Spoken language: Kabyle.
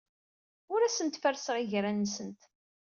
Ur asent-ferrseɣ igran-nsent.